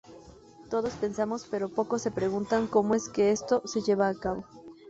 Todos pensamos pero pocos se preguntan cómo es que esto se lleva a cabo.